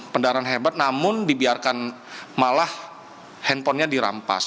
kendaraan hebat namun dibiarkan malah handphonenya dirampas